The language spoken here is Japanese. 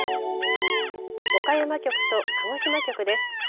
岡山局と鹿児島局です。